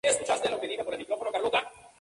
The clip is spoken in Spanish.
La sede del condado es Stuart.